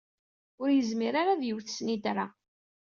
Ur yezmir ara ad yewt snitra.